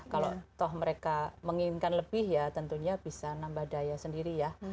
kalau toh mereka menginginkan lebih ya tentunya bisa nambah daya sendiri ya